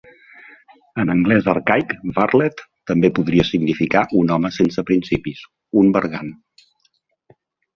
En anglès arcaic, "varlet" també podria significar un home sense principis; un bergant.